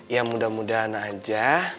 ya mudah mudahan aja